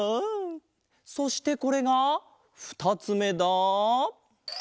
そしてこれがふたつめだ。